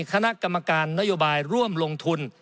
คณะกรรมการนโยบายร่วมลงทุน